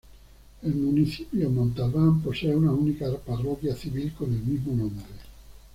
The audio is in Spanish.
El Municipio Montalbán posee una única parroquia civil, con el mismo nombre.